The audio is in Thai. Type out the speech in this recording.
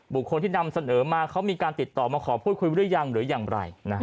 บุคคลที่นำเสนอมาเขามีการติดต่อมาขอพูดคุยหรือยังหรือยังไร